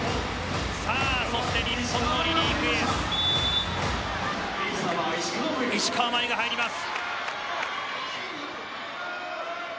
そして日本のリリーフエース石川真佑が入ります。